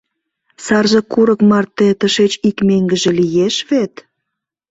Сарзе курык марте тышеч ик меҥгыже лиеш вет?